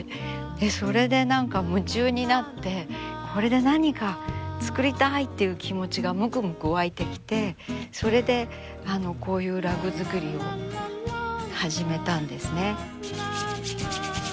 それで何か夢中になってこれで何か作りたいっていう気持ちがむくむく湧いてきてそれでこういうラグ作りを始めたんですね。